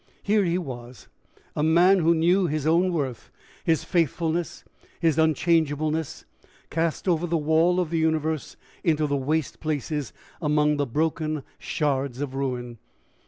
Here he was, a man who knew his own worth, his faithfulness, his unchangeableness, cast over the wall of the universe, into the waste places, among the broken shards of ruin!